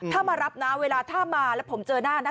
ถ้ามารับนะเวลาถ้ามาแล้วผมเจอหน้านะ